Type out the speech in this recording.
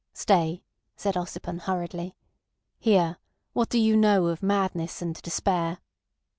"Stay," said Ossipon hurriedly. "Here, what do you know of madness and despair?"